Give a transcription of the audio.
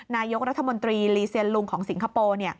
นายกรัฐมนตรีลีเซียนลุงของสิงคโปร์